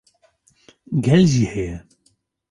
gel jî heye